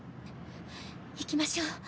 行きましょう。